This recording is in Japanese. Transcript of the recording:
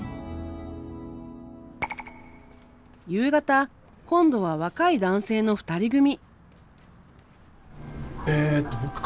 夕方今度は若い男性の２人組。